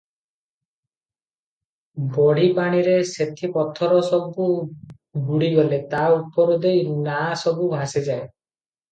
ବଢ଼ିପାଣିରେ ସେହି ପଥର ସବୁ ବୁଡ଼ିଗଲେ ତା ଉପର ଦେଇ ନାଆସବୁ ଭାସିଯାଏ ।